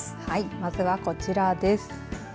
まずはこちらです。